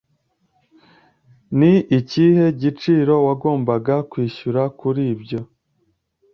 Ni ikihe giciro wagombaga kwishyura kuri ibyo?